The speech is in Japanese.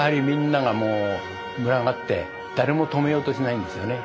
みんながもう群がって誰も止めようとしないんですよね。